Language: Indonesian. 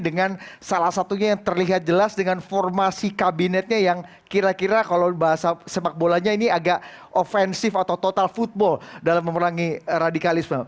dengan salah satunya yang terlihat jelas dengan formasi kabinetnya yang kira kira kalau bahasa sepakbolanya ini agak ofensif atau total football dalam memerangi radikalisme